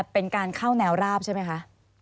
เป็นการเข้าแนวราบใช่ไหมคะ